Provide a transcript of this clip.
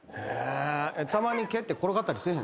たまに蹴って転がったり。